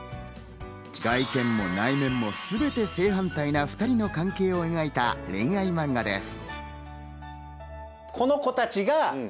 外見も内面もすべて正反対な２人の関係を描いた恋愛マンガです。